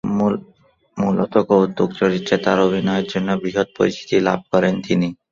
মূলত কৌতুক চরিত্রে তার অভিনয়ের জন্য বৃহৎ পরিচিতি লাভ করেন তিনি।